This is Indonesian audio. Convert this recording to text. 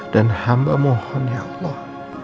dan hamba mohon ya allah